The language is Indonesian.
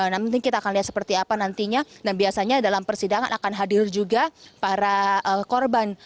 nanti kita akan lihat seperti apa nantinya dan biasanya dalam persidangan akan hadir juga para korban